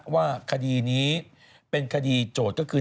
ว่าคดีนี้เป็นคดีโจทย์ก็คือ